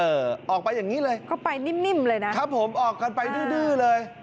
ออกไปอย่างนี้เลยก็ไปนิ่มเลยนะครับผมออกกันไปดื้อดื้อเลย